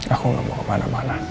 aku gak mau kemana mana